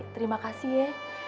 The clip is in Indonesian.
terima kasih ya